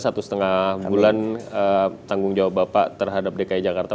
satu setengah bulan tanggung jawab bapak terhadap dki jakarta